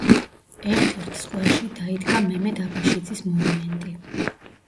ერთ-ერთ სკვერში დაიდგა მემედ აბაშიძის მონუმენტი.